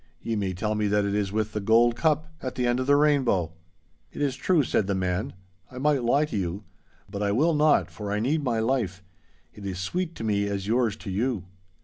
Ye may tell me that it is with the gold cup, at the end of the rainbow!' 'It is true,' said the man, 'I might lie to you; but I will not, for I need my life. It is sweet to me as yours to you.